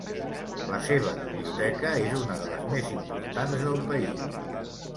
La seva biblioteca és una de les més importants del país.